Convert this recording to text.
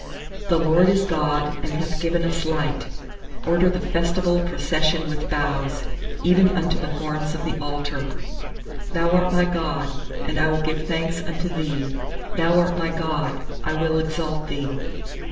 27The LORD is God, and hath given us light; Order the festival procession with boughs, even unto the horns of the altar. 28Thou art my God, and I will give thanks unto Thee; Thou art my God, I will exalt Thee.